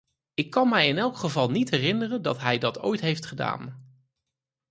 Ik kan mij in elk geval niet herinneren dat hij dat ooit heeft gedaan.